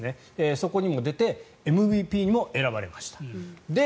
そこにも出てＭＶＰにも選ばれました。